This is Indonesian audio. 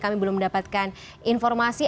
kami belum mendapatkan informasi